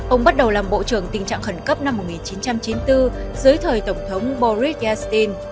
ông bắt đầu làm bộ trưởng tình trạng khẩn cấp năm một nghìn chín trăm chín mươi bốn dưới thời tổng thống boris yastin